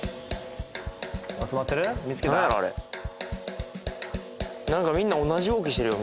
あれなんかみんな同じ動きしてるよ